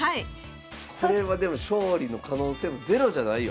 これはでも勝利の可能性もゼロじゃないよ。